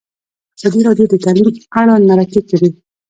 ازادي راډیو د تعلیم اړوند مرکې کړي.